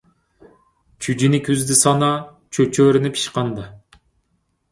چۈجىنى كۈزدە سانا، چۆچۈرىنى پىشقاندا